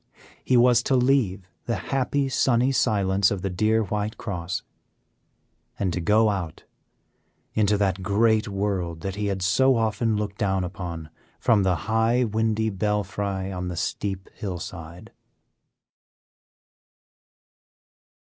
He was to leave the happy, sunny silence of the dear White Cross, and to go out into that great world that he had so often looked down upon from the high windy belfry on the steep hillside.